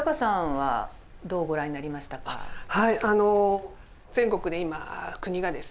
はい全国で今国がですね